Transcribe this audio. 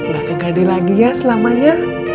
gak kegade lagi ya selamanya